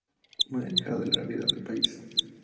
Muy alejada de la realidad del país.